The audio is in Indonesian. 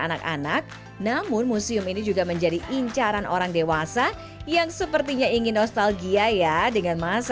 anak anak namun museum ini juga menjadi incaran orang dewasa yang sepertinya ingin nostalgia ya dengan masa